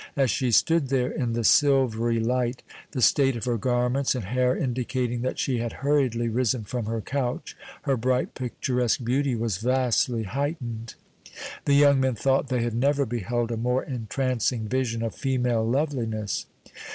As she stood there in the silverly light, the state of her garments and hair indicating that she had hurriedly risen from her couch, her bright, picturesque beauty was vastly heightened. The young men thought they had never beheld a more entrancing vision of female loveliness.